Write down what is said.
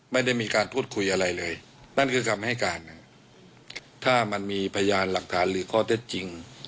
ไม่ได้มีการพูดคุยอะไรเลยนั่นคือคำให้การถ้ามันมีพยานหลักฐานหรือข้อเท็จจริง